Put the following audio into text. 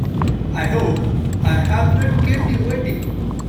I hope I have not kept you waiting.